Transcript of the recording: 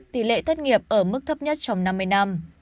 tỷ lệ thất nghiệp ở mức thấp nhất trong năm mươi năm